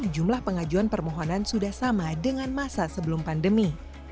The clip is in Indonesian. jumlah pengajuan permohonan sudah sama dengan masa sebelum pandemi